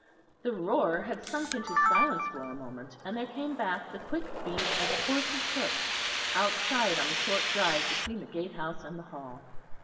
The roar had sunk into silence for a moment; and there came back the quick beat of a horse's hoofs outside on the short drive between the gatehouse and the Hall.